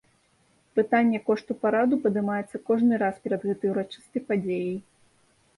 Пытанне кошту параду падымаецца кожны раз перад гэтай урачыстай падзеяй.